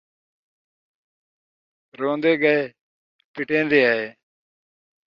رون٘دے ڳئے ، پٹین٘دے آئے